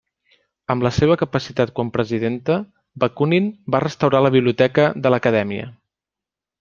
Amb la seva capacitat quan presidenta, Bakunin va restaurar la biblioteca de l'Acadèmia.